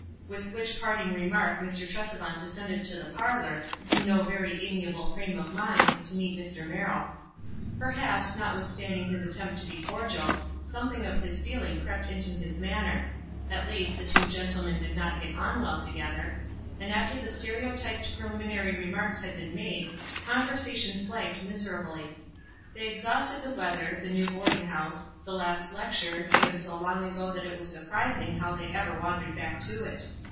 With which parting remark Mr. Tresevant de scended to the parlor, in no very amiable frame of mind, to meet Mr. Merrill. Perhaps, not withstanding his attempt to be cordial, some thing of his feeling crept into his manner — at least the two gentlemen did not get on well to gether, — and after the stereotyped preliminary remarks had been made, conversation flagged miserably. They exhausted the weather, the new boarding house, the last lecture, given so long ago that it was surprising how they ever wandered back to it.